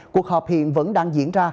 cuộc họp hiện vẫn đang diễn ra